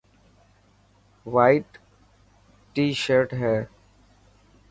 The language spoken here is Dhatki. وائٽ ٽي شرٽ هي.